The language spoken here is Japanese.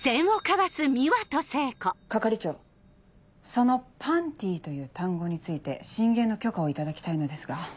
係長その「パンティ」という単語について進言の許可を頂きたいのですが。